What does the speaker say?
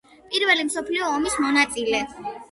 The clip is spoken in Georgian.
პირველი მსოფლიო ომის მონაწილე.